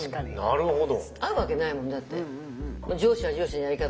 なるほど。